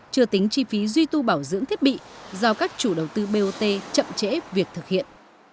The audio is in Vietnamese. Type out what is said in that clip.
chưa tính chi phí duy tu bảo dưỡng thiết bị do các chủ đầu tư bot chậm trễ việc thực hiện